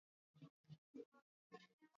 Funika kwa dakika arobaini na tano